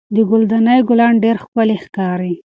د ګل دانۍ ګلان ډېر ښکلي ښکاري.